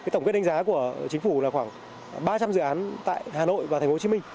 tổng kết đánh giá của chính phủ là khoảng ba trăm linh dự án tại hà nội và thành phố hồ chí minh